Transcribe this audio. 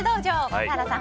笠原さん